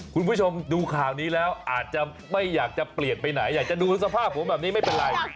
คุณผู้ชมดูข่าวนี้แล้วอาจจะไม่อยากจะเปลี่ยนไปไหนอยากจะดูสภาพผมแบบนี้ไม่เป็นไร